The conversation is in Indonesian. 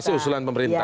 masih usulan pemerintah